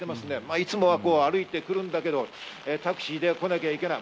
いつもは歩いてくるけど、タクシーで来なきゃいけない。